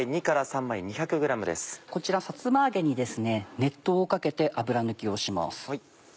こちらさつま揚げに熱湯をかけて油抜きをします。